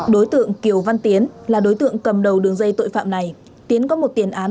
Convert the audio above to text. đối tượng kiều văn tiến là đối tượng cầm đầu đường dây tội phạm này tiến có một tiền án